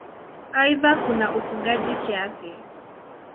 Aidha kuna ufugaji kiasi.